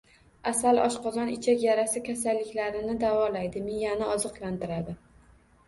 Asal oshqozon-ichak yarasi kasalliklarini davolaydi, miyani oziqlantiradi.